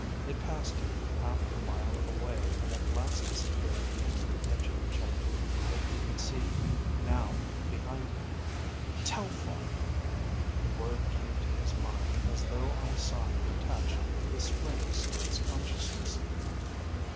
It passed him half a mile away and at last disappeared into the edge of the jungle that he could see, now, behind him. Telphar! The word came to his mind as though on a sign attached with springs to his consciousness.